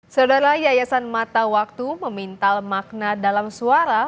saudara yayasan mata waktu memintal makna dalam suara